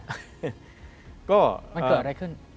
มันเกิดอะไรขึ้น